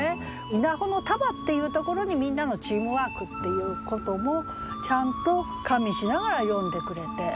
「稲穂の束」っていうところにみんなのチームワークっていうこともちゃんと加味しながら詠んでくれて。